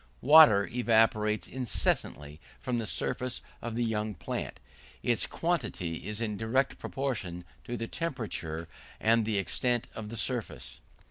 Water evaporates incessantly from the surface of the young plant; its quantity is in direct proportion to the temperature and the extent of the surface.